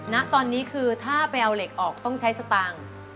ณตอนนี้คือถ้าไปเอาเหล็กออกต้องใช้สตางค์